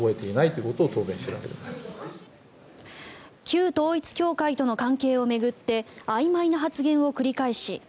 旧統一教会との関係を巡ってあいまいな発言を繰り返し